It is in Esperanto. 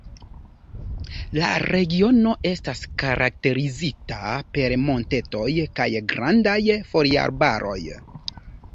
La regiono estas karakterizita per montetoj kaj grandaj foliarbaroj.